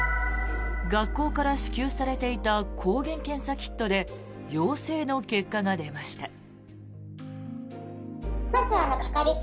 学校から支給されていた抗原検査キットで陽性の結果が出ました。